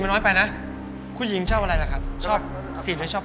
๔มันน้อยไปนะคุณหญิงชอบอะไรล่ะครับชอบ๔หรือชอบ๘